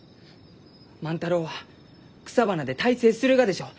万太郎は草花で大成するがでしょう？